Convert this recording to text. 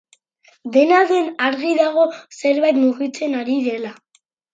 Dena den argi dago zerbait mugitzen ari dela.